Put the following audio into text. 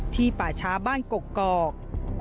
ป่าช้าบ้านกกอก